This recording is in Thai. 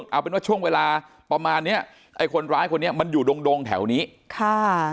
เอาเป็นว่าช่วงเวลาประมาณเนี้ยไอ้คนร้ายคนนี้มันอยู่ดงดงแถวนี้ค่ะ